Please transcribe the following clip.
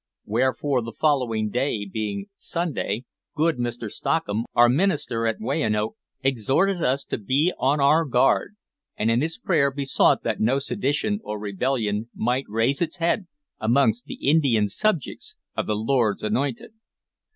Wherefore, the following day being Sunday, good Mr. Stockham, our minister at Weyanoke, exhorted us to be on our guard, and in his prayer besought that no sedition or rebellion might raise its head amongst the Indian subjects of the Lord's anointed.